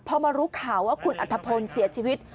พอมารู้ข่าวว่าคุณอัธพลเสียชีวิต